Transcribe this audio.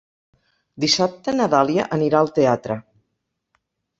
Dissabte na Dàlia anirà al teatre.